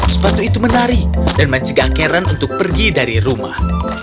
sepatu itu menari dan mencegah karen untuk pergi dari rumah